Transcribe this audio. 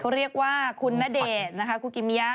เขาเรียกว่าคุณณเดชน์คุกิมย้า